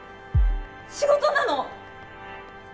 仕事なの！